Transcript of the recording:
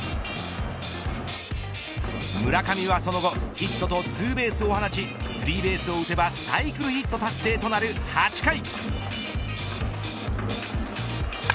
村上はその後ヒットとツーベースを放ちスリーベースを打てばサイクルヒット達成となる８回。